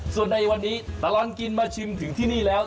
ส่วนในวันนี้ตลอดกินมาชิมถึงที่นี่แล้ว